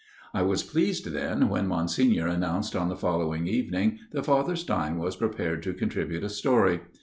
I was pleased then when Monsignor announced on the following evening that Father Stein was prepared to contribute a story.